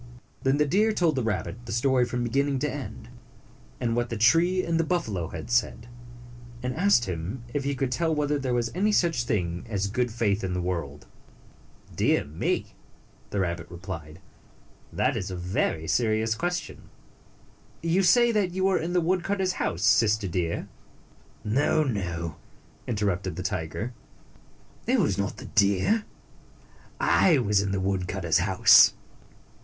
Then the deer told the rabbit the story from beginning to end, and what the tree and the buffalo had said, and asked him if he could tell whether there was any such thing as good faith in the world. H3 " Dear me !" the rabbit replied, " that is a very serious question. You say that you were in the woodcutters house, Sister Deer?" " No, no," interrupted the tiger. " It was not the deer. I was in the woodcutter's house."